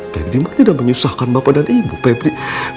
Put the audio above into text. pepri mah tidak menyusahkan bapak dan ibu pepri